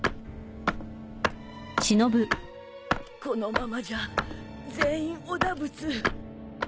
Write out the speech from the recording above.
このままじゃ全員おだぶつ。